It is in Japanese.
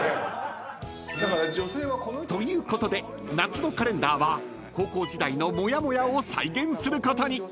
［ということで夏のカレンダーは高校時代のモヤモヤを再現することに］